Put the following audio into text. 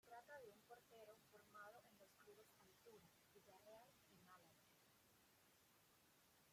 Se trata de un portero formado en los clubes Altura, Villarreal y Málaga.